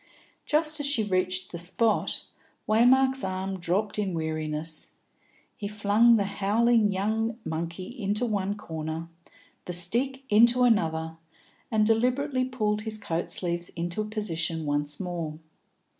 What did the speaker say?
Just as she reached the spot, Waymark's arm dropped in weariness; he flung the howling young monkey into one corner, the stick into another, and deliberately pulled his coat sleeves into position once more.